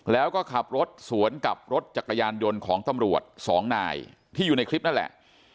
แล้วก็ขับรถสวนกับรถจักรยานยนต์ของตำรวจสองนายที่อยู่ในคลิปนั่นแหละ